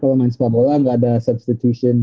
kalau main sepak bola ga ada substitusi